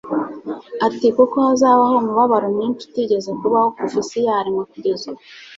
ati: «kuko hazabaho umubabaro mwinshi utigeze kubaho kuva isi yaremwa kugeza ubu,